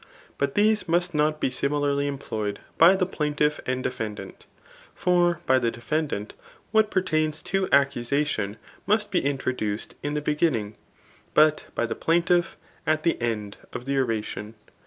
But these must not be simi larly employed [by the plaintiff and defendant^. For by the defendant, what pettains to accusation must he introduced m the beginning, but by the plaintiff at the end, of the oradon.